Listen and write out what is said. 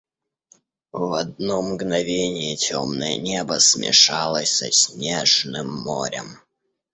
В одно мгновение темное небо смешалось со снежным морем.